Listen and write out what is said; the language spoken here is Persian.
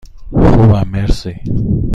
خوبم، مرسی.